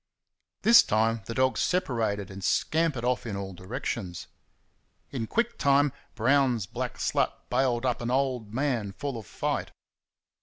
This time the dogs separated and scampered off in all directions. In quick time Brown's black slut bailed up an "old man" full of fight.